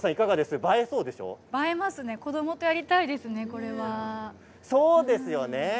映えますね子どもとやりたいですね、これは。